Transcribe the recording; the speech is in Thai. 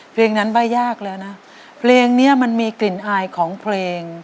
เพลงนั้นไม่ยากแล้วนะเพลงนี้มันมีกลิ่นอายของเพลง